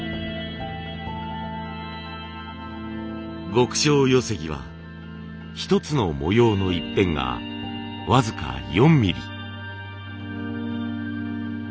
極小寄木は一つの模様の一辺が僅か４ミリ。